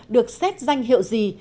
được xét danh hiệu gì